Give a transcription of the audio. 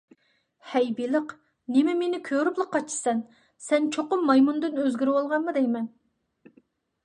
ھەي بېلىق، نېمە مېنى كۆرۈپلا قاچىسەن؟ سەن چوقۇم مايمۇندىن ئۆزگىرىۋالغانغۇ دەيمەن؟